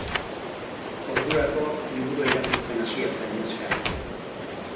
Ordurako liburua irakurtzen hasia zen neska.